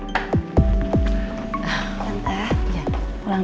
hati hati di jalan